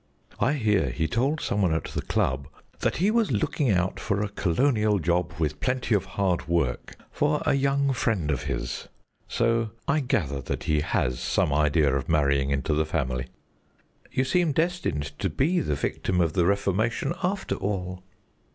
"I hear he told some one at the club that he was looking out for a Colonial job, with plenty of hard work, for a young friend of his, so I gather that he has some idea of marrying into the family." "You seem destined to be the victim of the reformation, after all."